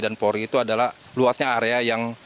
dan polri itu adalah luasnya area yang